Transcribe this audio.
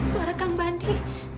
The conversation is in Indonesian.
suara kang bandi